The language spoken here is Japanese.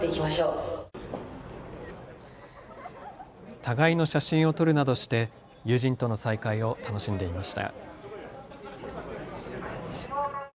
互いの写真を撮るなどして友人との再会を楽しんでいました。